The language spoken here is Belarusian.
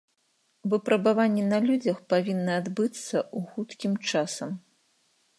Выпрабаванні на людзях павінны адбыцца ў хуткім часам.